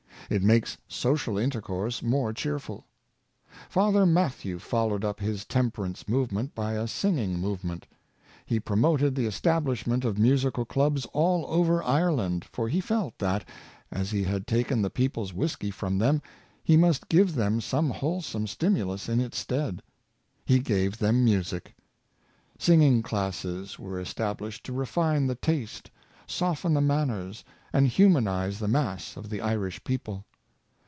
It makes social intercourse more cheerful. Father Mathew fol lowed up his temperance movement by a singing move ment. He promoted the establishment of musical clubs all over Ireland, for he felt that, as he had taken the people's whisky from them, he must give them some wholesome stimulus in its stead. He gave them mu sic. Singing classes were established to refine the taste, soften the manners, and humanize the mass of the Irish people.